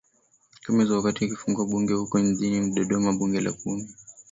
kama hizo wakati akifungua bunge huko mjini dodoma bunge la kumi